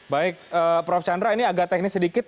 baik prof chandra ini agak teknis sedikit